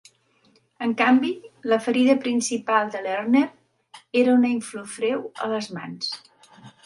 En canvi, la ferida principal de Lerner era una inflor freu a les mans.